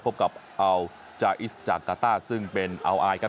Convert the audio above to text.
พบกับเอาจาอิสจากกาต้าซึ่งเป็นเอาไอครับ